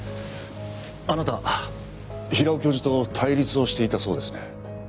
あなたは平尾教授と対立をしていたそうですね。